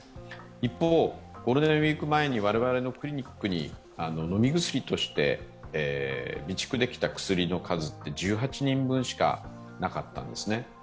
一方、ゴールデンウイーク前に我々のクリニックに飲み薬として備蓄できた薬の数って１８人分しかなかったんですね。